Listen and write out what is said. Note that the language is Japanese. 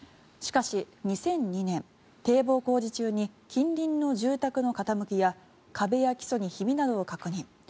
しかし、２００２年堤防工事中に近隣の住宅の傾きや壁や基礎などにひびを確認。